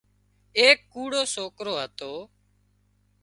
ايڪ ڪوڙو سوڪرو هتو